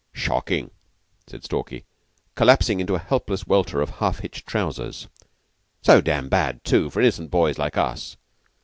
"Shockin'!" said Stalky, collapsing in a helpless welter of half hitched trousers. "So dam' bad, too, for innocent boys like us!